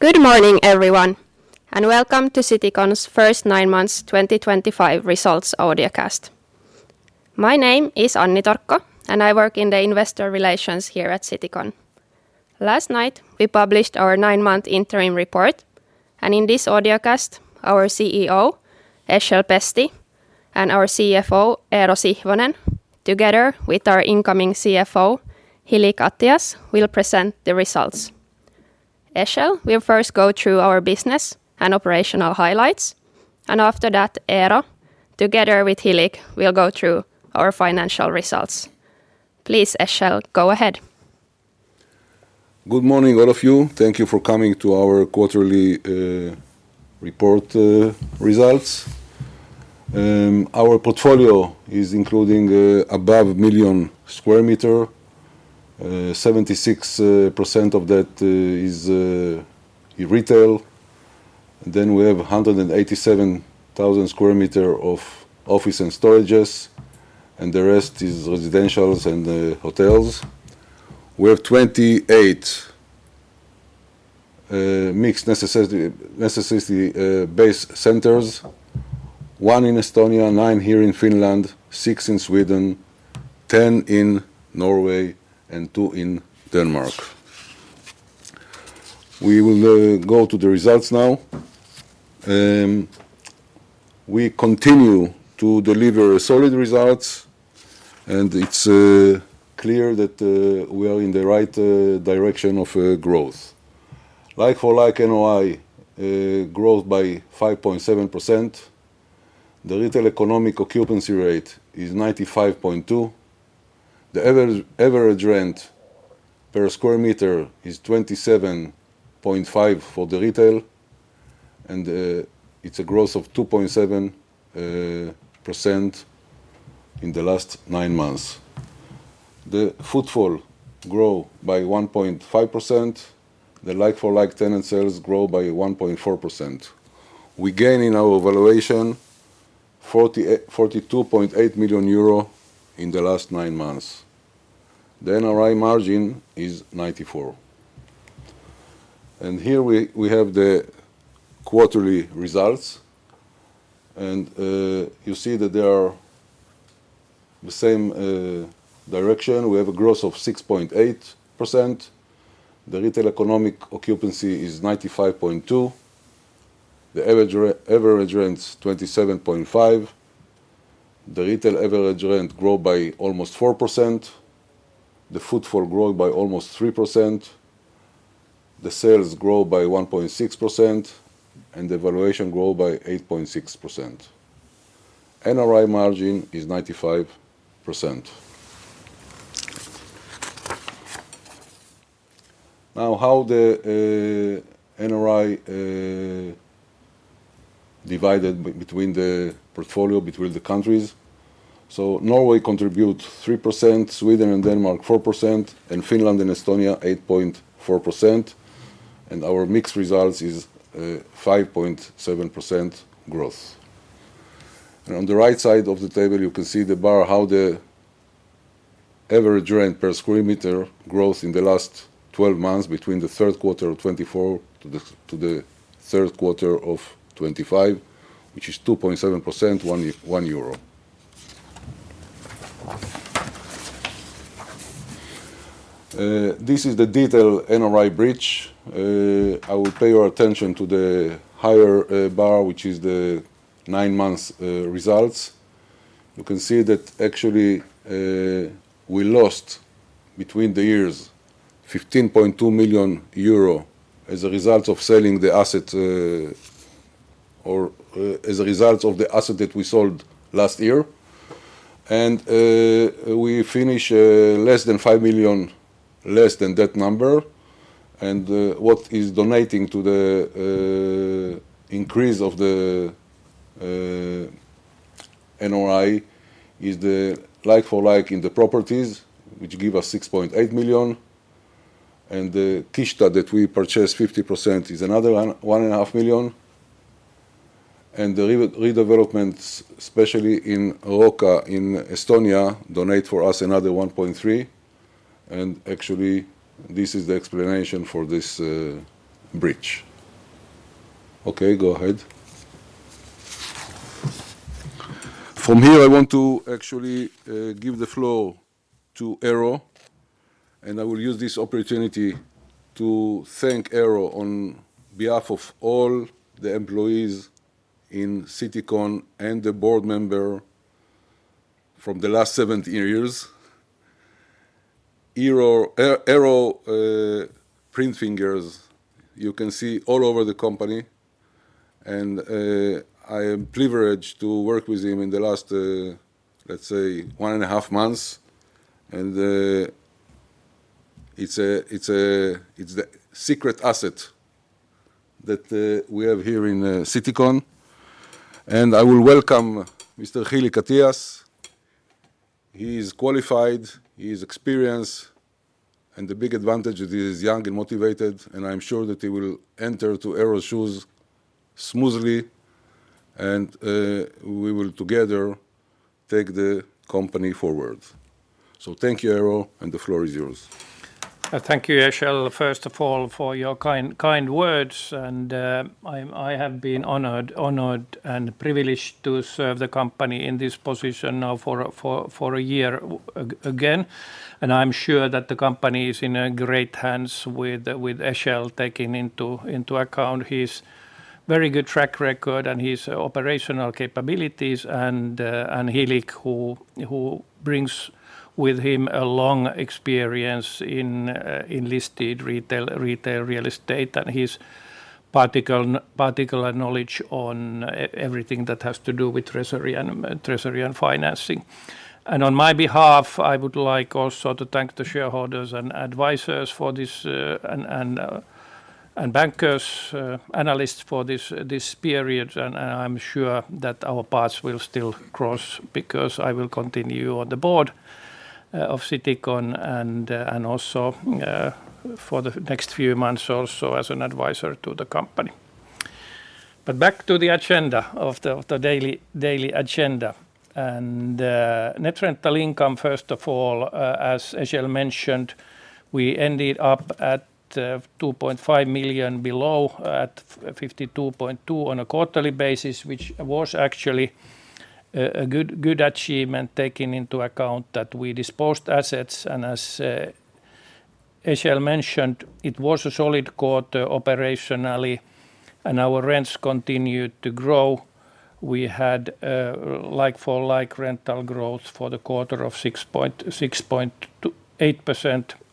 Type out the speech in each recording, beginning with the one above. Good morning, everyone, and welcome to Citycon's first nine months 2025 results audiocast. My name is Anni Torkko, and I work in Investor Relations here at Citycon. Last night, we published our 9-month interim report, and in this audiocast, our CEO, Eshel Pesti, and our CFO, Eero Sihvonen, together with our incoming CFO, Hili Katjaas, will present the results. Eshel will first go through our business and operational highlights, and after that, Eero, together with Hili, will go through our financial results. Please, Eshel, go ahead. Good morning, all of you. Thank you for coming to our quarterly report results. Our portfolio is including above a million square meters. 76% of that is retail. Then we have 187,000 sq m of office and storages, and the rest is residentials and hotels. We have 28 mixed-necessity based centers. One in Estonia, nine here in Finland, six in Sweden, 10 in Norway, and two in Denmark. We will go to the results now. We continue to deliver solid results, and it's clear that we are in the right direction of growth. Like-for-like NOI growth by 5.7%. The retail economic occupancy rate is 95.2%. The average rent per square meter is € 27.5 for the retail, and it's a growth of 2.7% in the last nine months. The footfall grew by 1.5%. The like-for-like tenant sales grew by 1.4%. We gained in our valuation € 42.8 million in the last nine months. The NRI margin is 94%. Here we have the quarterly results, and you see that they are the same direction. We have a growth of 6.8%. The retail economic occupancy is 95.2%. The average rent is € 27.5. The retail average rent grew by almost 4%. The footfall grew by almost 3%. The sales grew by 1.6%. The valuation grew by 8.6%. NRI margin is 95%. Now, how the NRI divided between the portfolio between the countries. Norway contributes 3%, Sweden and Denmark 4%, and Finland and Estonia 8.4%. Our mixed results is 5.7% growth. On the right side of the table, you can see the bar, how the average rent per square meter growth in the last 12 months between the third quarter of 2024 to the third quarter of 2025, which is 2.7%, one euro. This is the detailed NRI breach. I will pay your attention to the higher bar, which is the nine-month results. You can see that actually we lost between the years € 15.2 million as a result of selling the asset or as a result of the asset that we sold last year. We finished less than € 5 million less than that number. What is donating to the increase of the NRI is the like-for-like in the properties, which give us € 6.8 million. The Kihta that we purchased, 50%, is another € 1.5 million. The redevelopments, especially in Roka in Estonia, donate for us another 1.3%. Actually, this is the explanation for this breach. Okay, go ahead. From here, I want to actually give the floor to Eero. I will use this opportunity to thank Eero on behalf of all the employees in Citycon and the board members from the last seven years. Eero. Fingerprints, you can see all over the company. I am privileged to work with him in the last, let's say, one and a half months. It's the secret asset that we have here in Citycon. I will welcome Mr. Hili Katjaas. He is qualified, he is experienced. The big advantage is he is young and motivated, and I'm sure that he will enter Eero's shoes smoothly. We will together take the company forward. Thank you, Eero, and the floor is yours. Thank you, Eshel, first of all, for your kind words. I have been honored and privileged to serve the company in this position now for a year again. I'm sure that the company is in great hands with Eshel, taking into account his very good track record and his operational capabilities. Hili, who brings with him a long experience in listed retail real estate and his particular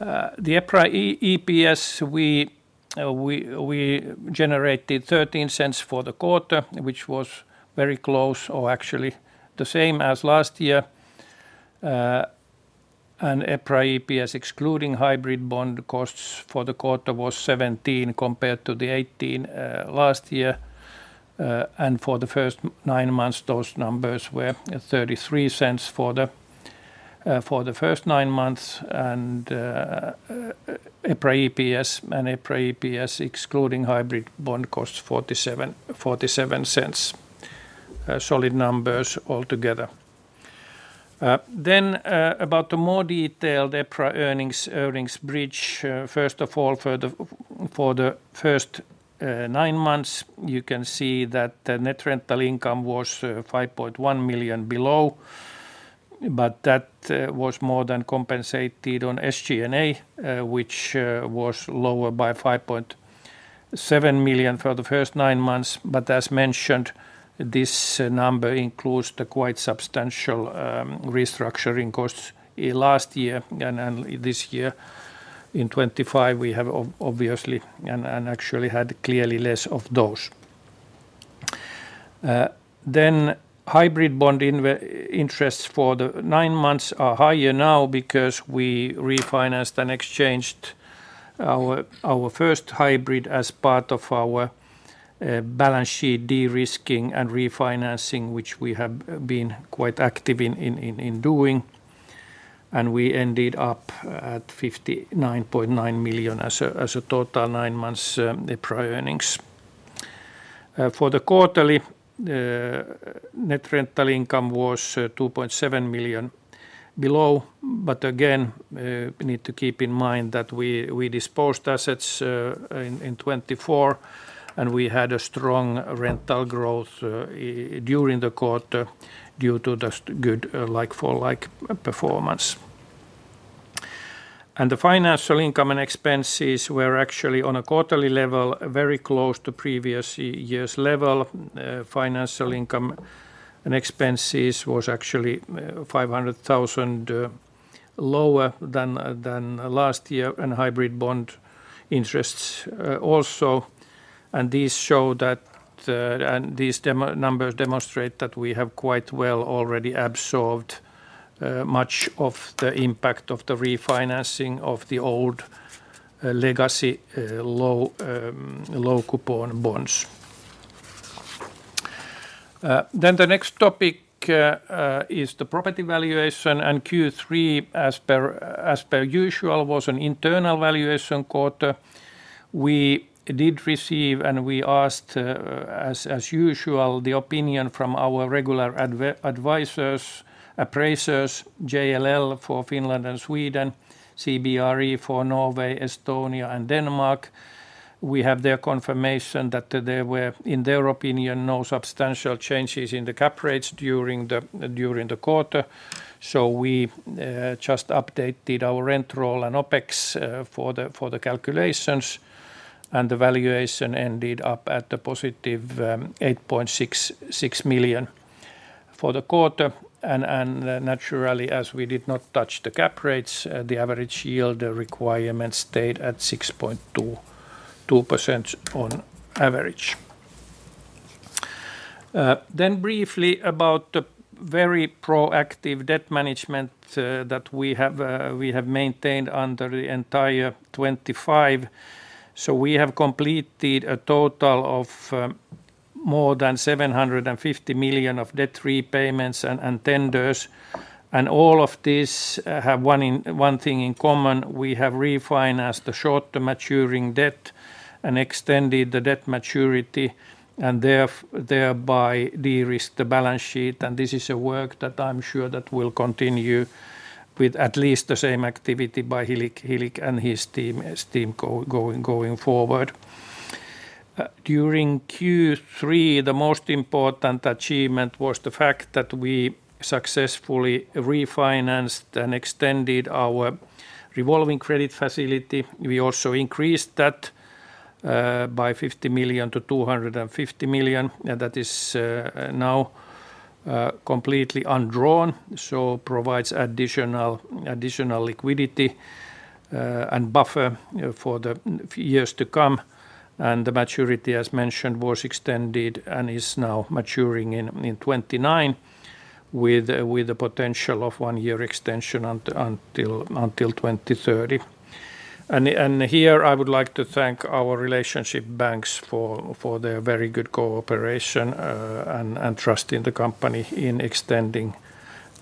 EPRA EPS, we generated $0.13 for the quarter, which was very close or actually the same as last year. EPRA EPS excluding hybrid bond costs for the quarter was $0.17 compared to the $0.18 last year. For the first nine months, those numbers were $0.33 for the first nine months. EPRA EPS and EPRA EPS excluding hybrid bond costs $0.47. Solid numbers altogether. Then about the more detailed EPRA earnings bridge, first of all, for the first nine months, you can see that the The financial income and expenses were actually on a quarterly level very close to previous year's level. Financial income and expenses was actually € 500,000 lower than last year and hybrid bond interests also. These numbers demonstrate that we have quite well already absorbed much of the impact of the refinancing of the old legacy low coupon bonds. The next topic is the property valuation. Q3, as per usual, was an internal valuation quarter. We did receive and we asked, as usual, the opinion from our regular advisors, appraisers, JLL for Finland and Sweden, CBRE for Norway, Estonia, and Denmark. We have their confirmation that there were, in their opinion, no substantial changes in the cap rates during the quarter. We just updated our rent roll and OpEx for the calculations. The valuation ended up at a positive € 8.6 million for the quarter. Naturally, as we did not touch the cap rates, the average yield requirement stayed at 6.2% on average. Briefly about the very proactive debt management that we have maintained under the entire 2025. We have completed a total of more than € 750 million of debt repayments and tenders. All of these have one thing in common. We have refinanced the short-term maturing debt and extended the debt maturity and thereby de-risked the balance sheet. This is a work that I'm sure will continue with at least the same activity by Hili and his team going forward. During Q3, the most important achievement was the fact that we successfully refinanced and extended our revolving credit facility. We also increased that by € 50 million to € 250 million. That is now completely undrawn, so it provides additional liquidity and buffer for the years to come. The maturity, as mentioned, was extended and is now maturing in 2029 with the potential of one-year extension until 2030. I would like to thank our relationship banks for their very good cooperation and trust in the company in extending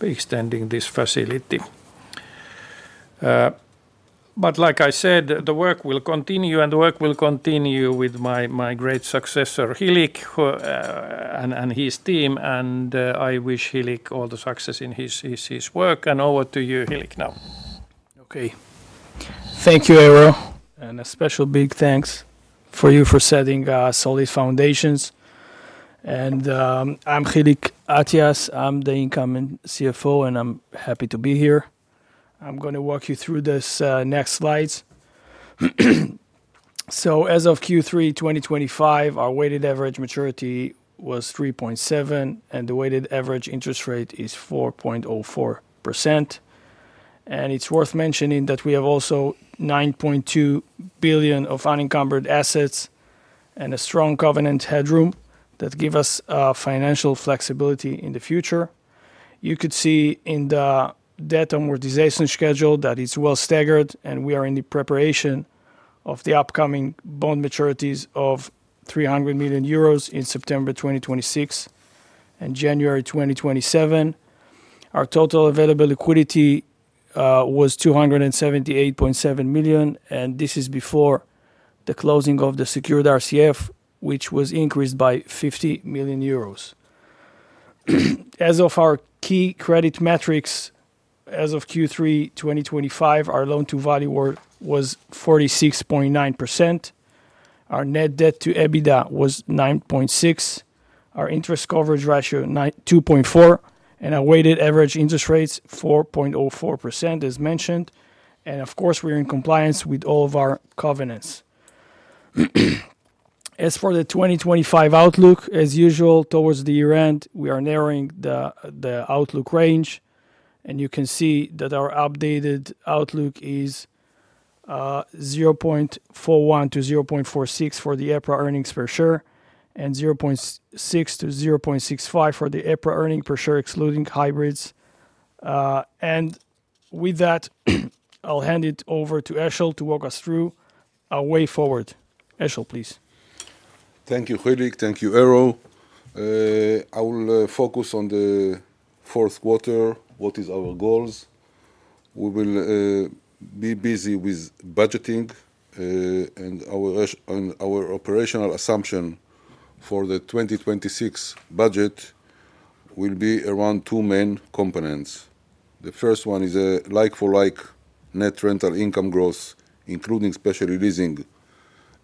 this facility. The work will continue and the work will continue with my great successor, Hili, and his team. I wish Hili all the success in his work. Over to you, Hili, now. Okay. Thank you, Eero. A special big thanks to you for setting solid foundations. I'm Hili Katjaas. I'm the incoming CFO and I'm happy to be here. I'm going to walk you through these next slides. So as of Q3 2025, our weighted average maturity was 3.7 and the weighted average interest rate is 4.04%. It's worth mentioning that we also have € 9.2 billion of unencumbered assets and a strong covenant headroom that gives us financial flexibility in the future. You can see in the debt amortization schedule that it's well staggered. We are in the preparation of the upcoming bond maturities of €300 million in September 2026 and January 2027. Our total available liquidity was € 278.7 million, and this is before the closing of the secured revolving credit facility, which was increased by € 50 million. As for our key credit metrics, as of Q3 2025, our loan-to-value was 46.9%. Our net debt to EBITDA was 9.6%. Our interest coverage ratio was 2.4%. Our weighted average interest rate was 4.04%, as mentioned. Of course, we're in compliance with all of our covenants. For the 2025 outlook, as usual towards the year end, we are narrowing the outlook range. You can see that our updated outlook is 0.41-0.46 for the EPRA earnings per share and 0.6-0.65 for the EPRA earnings per share excluding hybrids. With that, I'll hand it over to Eshel to walk us through our way forward. Eshel, please. Thank you, Hili. Thank you, Eero. I will focus on the fourth quarter, what are our goals. We will be busy with budgeting and our operational assumption for the 2026 budget will be around two main components. The first one is a like-for-like net rental income growth, including special releasing,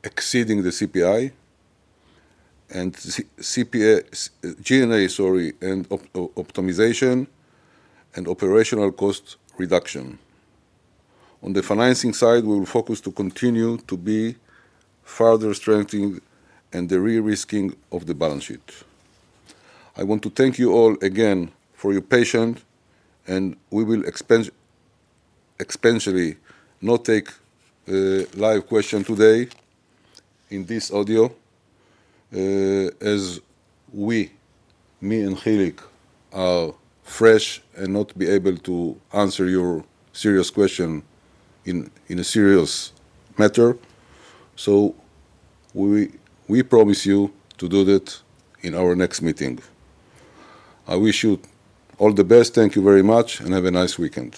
exceeding the CPI. GNA, sorry, and optimization and operational cost reduction. On the financing side, we will focus to continue to be further strengthening and the de-risking of the balance sheet. I want to thank you all again for your patience, and we will not take live questions today in this audio as we, me and Hili, are fresh and not be able to answer your serious question in a serious matter. So we promise you to do that in our next meeting. I wish you all the best. Thank you very much and have a nice weekend.